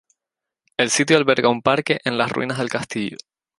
El sitio alberga un parque en las ruinas del castillo.